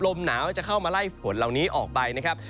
ลมหนาวจะเข้ามาไล่ฝนเหล่านี้ออกไปนะครับ